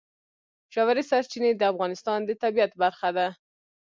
ژورې سرچینې د افغانستان د طبیعت برخه ده.